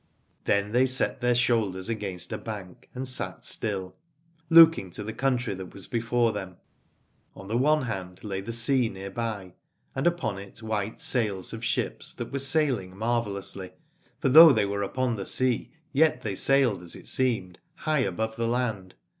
Then they set their shoulders against a bank, and sat still, looking to the country that was before them. On the one hand lay the sea near by, and upon it white sails of ships that were sailing marvellously, for though they were upon the sea yet they sailed, as it seemed, high above the land.